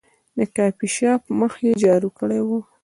د کافي شاپ مخ یې جارو کړی و.